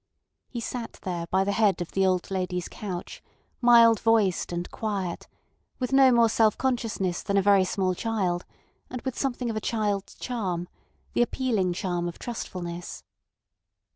He sat there by the head of the old lady's couch, mild voiced and quiet, with no more self consciousness than a very small child, and with something of a child's charm—the appealing charm of trustfulness.